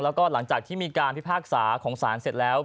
แล้วก็หลังจากที่มีการพิพากษาของศาลเสร็จแล้ว